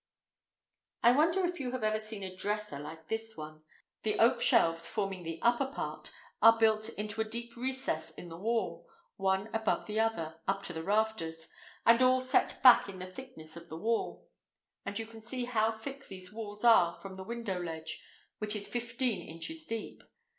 I wonder if you have ever seen a dresser like this one? The oak shelves forming the upper part are built into a deep recess in the wall, one above the other, up to the rafters, and all set back in the thickness of the wall—and you can see how thick these walls are from the window ledge, which is fifteen inches deep.